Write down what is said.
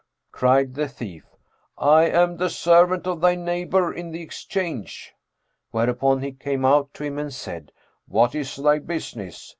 Cried the thief, "I am the servant of thy neighbour in the Exchange;" whereupon he came out to him and said, "What is thy business?"